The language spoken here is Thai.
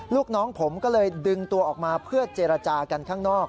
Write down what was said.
ลูกน้องผมก็เลยดึงตัวออกมาเพื่อเจรจากันข้างนอก